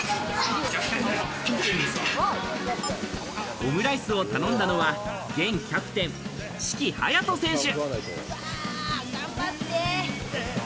オムライスを頼んだのは、現キャプテン・志貴勇斗選手。